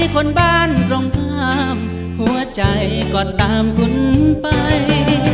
คนบ้านตรงข้ามหัวใจก็ตามคุณไป